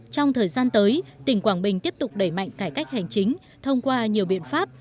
trong thời gian tới tỉnh quảng bình tiếp tục đẩy mạnh cải cách hành chính thông qua nhiều biện pháp